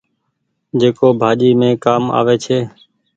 جيڪو ڀآڃي مين ڪآم آوي ڇي۔